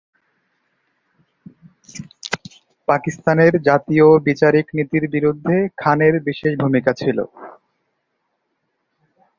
পাকিস্তানের জাতীয় বিচারিক নীতির বিরুদ্ধে খানের বিশেষ ভূমিকা ছিল।